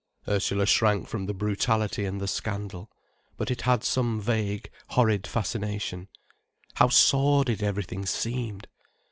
Ursula shrank from the brutality and the scandal. But it had some vague, horrid fascination. How sordid everything seemed!